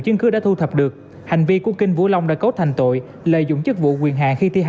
chứng cứ đã thu thập được hành vi của kinh vũ long đã cấu thành tội lợi dụng chức vụ quyền hạn khi thi hành